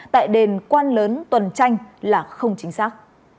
tại đền quan lớn tuần tranh là không chính xác